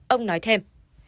ông nói thêm